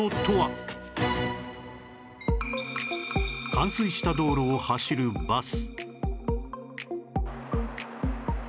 冠水した道路を走るバス